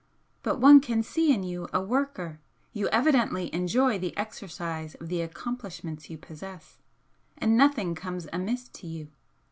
But one can see in you a worker you evidently enjoy the exercise of the accomplishments you possess and nothing comes amiss to you.